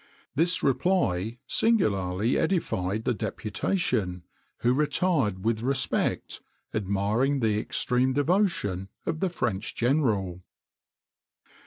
This reply singularly edified the deputation, who retired with respect, admiring the extreme devotion of the French general.